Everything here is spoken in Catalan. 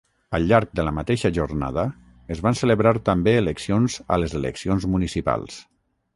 Al llarg de la mateixa jornada, es van celebrar també eleccions a les eleccions municipals.